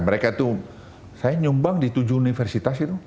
mereka tuh saya nyumbang di tujuh universitas itu